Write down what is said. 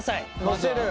のせる？